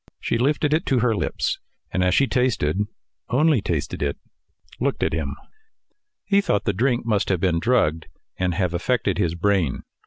She lifted it to her lips, and as she tasted only tasted it looked at him. He thought the drink must have been drugged and have affected his brain.